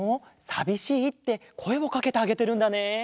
「さびしい」ってこえをかけてあげてるんだね。